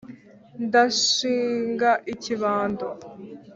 ndashinga ikibando